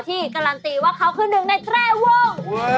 การันตีว่าเขาคือหนึ่งในแตรวง